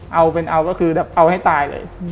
เอาเป็นเอาก็คือแบบเอาให้ตายเลย